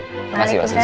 terima kasih pak asus